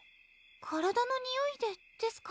体の臭いでですか？